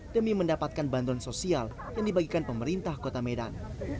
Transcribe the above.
demi mendapatkan bantuan sosial yang dibagikan pemerintah kota medan